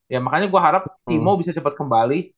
ya makanya gue harap timo bisa cepat kembali